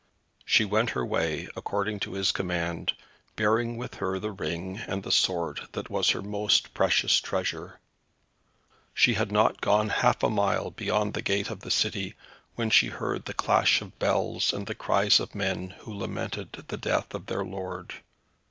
She went her way, according to his command, bearing with her the ring, and the sword that was her most precious treasure. She had not gone half a mile beyond the gate of the city when she heard the clash of bells, and the cries of men who lamented the death of their lord.